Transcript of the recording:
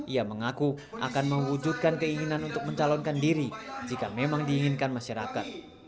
ia mengaku akan mewujudkan keinginan untuk mencalonkan diri jika memang diinginkan masyarakat